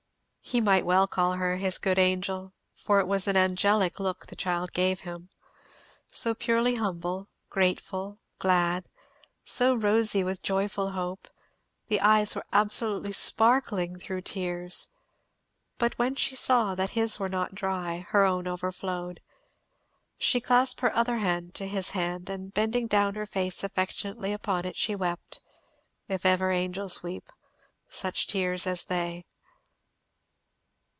He might well call her his good angel, for it was an angelic look the child gave him. So purely humble, grateful, glad, so rosy with joyful hope, the eyes were absolutely sparkling through tears. But when she saw that his were not dry, her own overflowed. She clasped her other hand to his hand and bending down her face affectionately upon it, she wept, if ever angels weep, such tears as they.